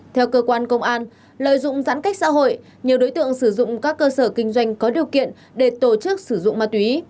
theo cơ quan công an lợi dụng giãn cách xã hội nhiều đối tượng sử dụng các cơ sở kinh doanh có điều kiện để tổ chức sử dụng ma túy